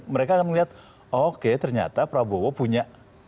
mereka melihat oke ternyata prabowo punya